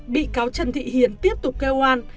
bị cáo trần thị hiền tiếp tục kêu oan